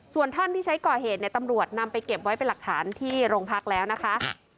ส่วนท่อนที่ใช้ก่อเหตุเนี่ยตำรวจนำไปเก็บไว้เป็นหลักฐานที่โรงพักแล้วนะคะ